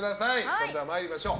それでは参りましょう。